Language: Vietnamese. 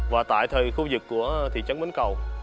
và tại khu vực của thị trấn bến cầu